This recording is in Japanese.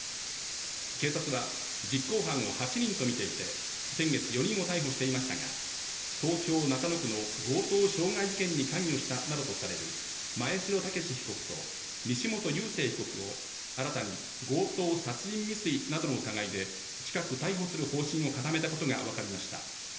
警察は実行犯を８人と見ていて、先月４人を逮捕していましたが、東京・中野区の強盗傷害事件に関与したなどとされる真栄城健被告と西本佑聖被告を新たに強盗殺人未遂などの疑いで、近く逮捕する方針を固めたことがわかりました。